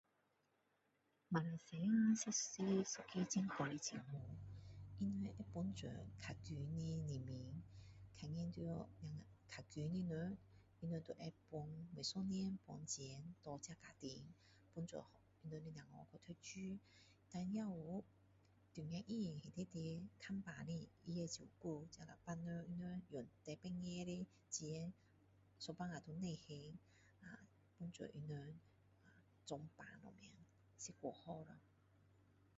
马来西亚是一个很好的政府他们会帮助较穷的平民较穷的较的人他们都会帮助每一年分钱给他们帮助他们的小孩去读书dan也有中央医院里面看病的他也会照顾这样的病人他们用最便宜的钱有时候都不用还有时候治病看是太好的